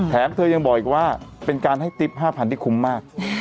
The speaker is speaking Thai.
เธอยังบอกอีกว่าเป็นการให้ติ๊บ๕๐๐ที่คุ้มมาก